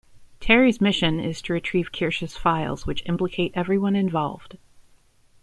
Terry's mission is to retrieve Kirsch's files, which implicate everyone involved.